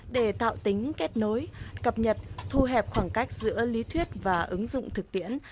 để tạo tính kết nối cập nhật thu hẹp khoảng cách giữa lý thuyết và ứng dụng thực tiễn